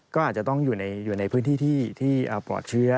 ก็อาจจะต้องอยู่ในพื้นที่ที่ปลอดเชื้อ